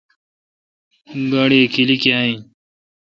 گاڑی اے کیلی کاں این۔